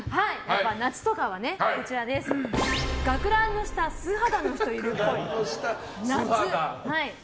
夏とかは学ランの下、素肌の人いるっぽい。